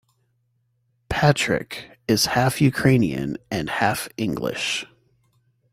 Patrick is half Ukrainian and half English.